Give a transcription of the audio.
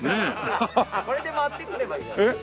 ああこれで回ってくればいいじゃないですか。